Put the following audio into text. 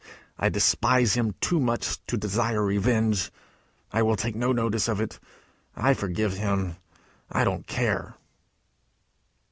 I despise him too much to desire revenge. I will take no notice of it. I forgive him. I don't care."